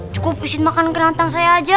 cukup isin makan ke ranteng saya aja